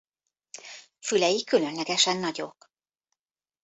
Fülei különlegesen nagyok.